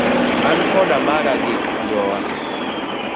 An koda maga gi jowa.